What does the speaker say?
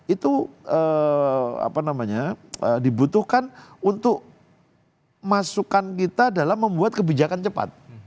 itu dibutuhkan untuk masukan kita dalam membuat kebijakan cepat